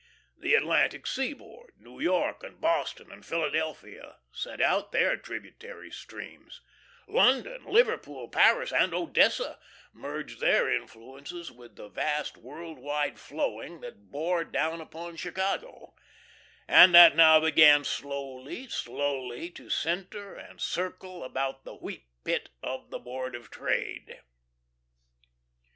The Atlantic Seaboard, New York, and Boston and Philadelphia sent out their tributary streams; London, Liverpool, Paris, and Odessa merged their influences with the vast world wide flowing that bore down upon Chicago, and that now began slowly, slowly to centre and circle about the Wheat Pit of the Board of Trade.